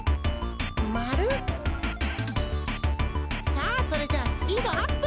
さあそれじゃあスピードアップ！